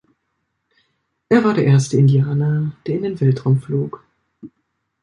Er war der erste Indianer, der in den Weltraum flog.